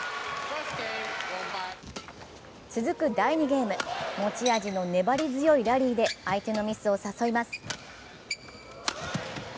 続く第２ゲーム、持ち味の粘り強いラリーで相手のミスを誘います。